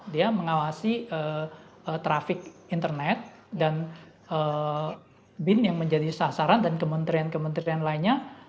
dia mengawasi trafik internet dan bin yang menjadi sasaran dan kementerian kementerian lainnya